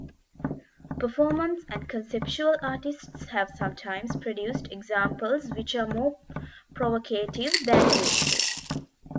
Performance and conceptual artists have sometimes produced examples which are more provocative than useful.